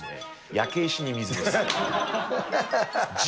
焼け石に水です。